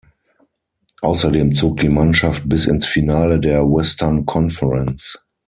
Außerdem zog die Mannschaft bis ins Finale der Western Conference.